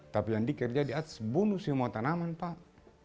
tapi yang dikerja di atas bunuh semua tanaman pak